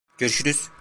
Görüşürüz!